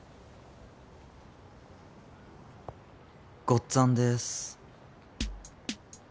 「ごっつぁんです」。